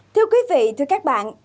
thưa quý vị thưa các bạn